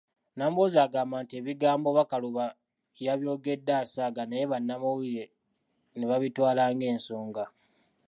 Nambooze agamba nti ebigambo Bakaluba yabyogedde asaaga naye bannamawulire ne babitwala ng'ensonga.